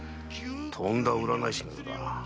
とんだ占い師のようだ。